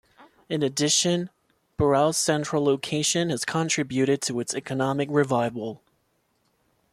In addition, Burao's central location has contributed to its economic revival.